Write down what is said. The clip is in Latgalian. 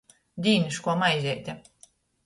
Dīniškuo maizeite.